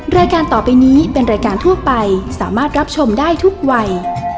รายการต่อไปนี้เป็นรายการทั่วไปสามารถรับชมได้ทุกวัย